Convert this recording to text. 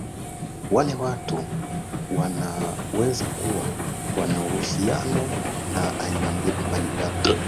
wale watu wanawezakuwa wana uhusiano na aina mbali mbali za